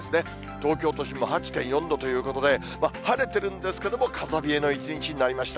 東京都心も８．４度ということで、晴れてるんですけども、風冷えの一日になりました。